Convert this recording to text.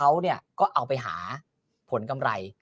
เขาก็เอาไปหาผลกำไร